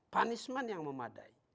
punishment yang memadai